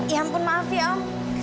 ya ampun maaf ya om